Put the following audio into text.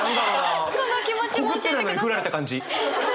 告ってないのに振られた感じ。